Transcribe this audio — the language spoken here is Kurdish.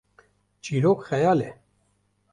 çîrok xeyal e